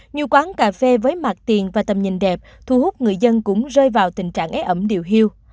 nhiều quán cà phê với mặt tiền và tầm nhìn đẹp thu hút người dân cũng rơi vào tình trạng ế ẩm điều hưu